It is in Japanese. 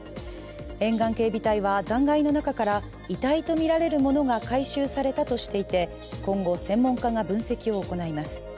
沿岸警備隊は残骸の中から遺体とみられるものが回収されたとしていて、今後、専門家が分析を行います。